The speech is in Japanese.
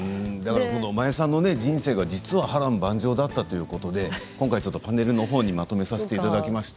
真矢さんの人生が波乱万丈だったということで今回パネルのほうにまとめさせていただきました。